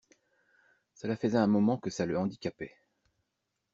Cela faisait un moment que ça le handicapait.